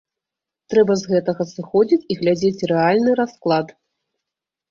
Трэба з гэтага сыходзіць і глядзець рэальны расклад.